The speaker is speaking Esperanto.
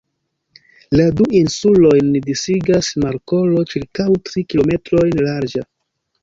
La du insulojn disigas markolo ĉirkaŭ tri kilometrojn larĝa.